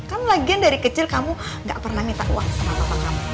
kan lagian dari kecil kamu gak pernah minta uang sama papa kamu